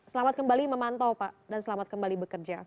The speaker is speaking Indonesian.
selamat kembali memantau pak dan selamat kembali bekerja